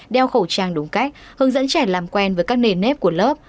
đeo khẩu trang đúng cách hướng dẫn trẻ làm quen với các nền nếp của lớp